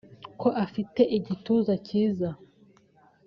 ko afite igituza cyiza